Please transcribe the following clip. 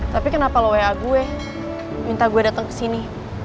tapi kenapa lo wa gue minta gue datang ke sini